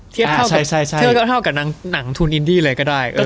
ชื่อก็เท่ากับหนังทุนอินดี้เลยก็ได้